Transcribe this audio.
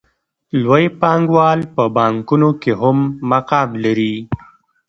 لوی پانګوال په بانکونو کې هم مقام لري